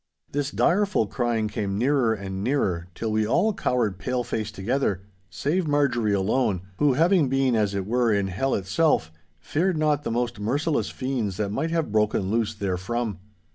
This direful crying came nearer and nearer, till we all cowered paleface together, save Marjorie alone—who, having been, as it were, in hell itself, feared not the most merciless fiends that might have broken loose therefrom.